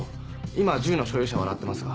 今銃の所有者を洗ってますが。